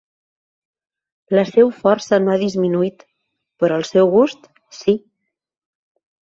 "La seu força no ha disminuït, però el seu gust, sí".